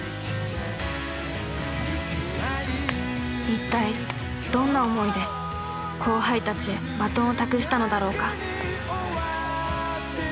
一体どんな思いで後輩たちへバトンを託したのだろうか。